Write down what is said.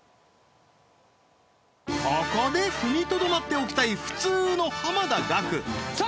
ここで踏みとどまっておきたい普通の濱田岳さあ